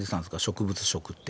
植物食って。